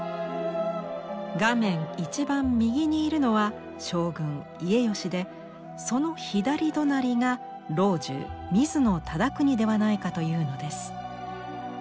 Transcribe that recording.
画面一番右にいるのは将軍家慶でその左隣が老中水野忠邦ではないかというのです。